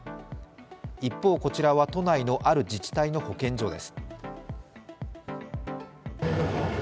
一方、こちらは都内のある自治体の保健所です。